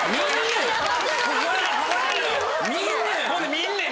見んねん。